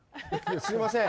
すいません。